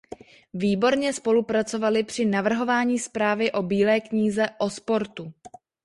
Výborně spolupracovali při navrhování zprávy o bílé knize o sportu.